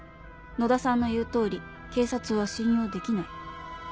「野田さんの言う通り警察は信用できない」。